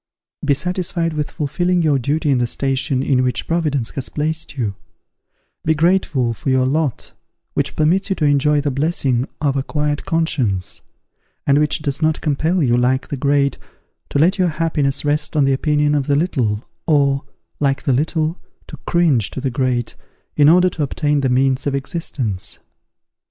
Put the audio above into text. Be satisfied with fulfilling your duty in the station in which Providence has placed you; be grateful for your lot, which permits you to enjoy the blessing of a quiet conscience, and which does not compel you, like the great, to let your happiness rest on the opinion of the little, or, like the little, to cringe to the great, in order to obtain the means of existence.